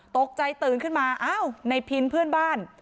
ตื่นขึ้นมาอ้าวในพินเพื่อนบ้าน